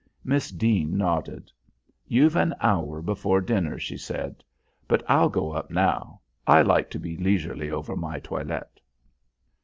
Miss Deane nodded. "You've an hour before dinner," she said, "but I'll go up now. I like to be leisurely over my toilet."